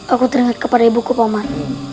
aku teringat kepada ibuku pak mat